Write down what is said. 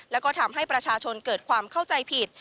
แล้วก็ทำให้ประชาชนเกิดความเข้าใจผิด